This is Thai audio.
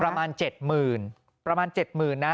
ประมาณ๗หมื่นประมาณ๗หมื่นนะ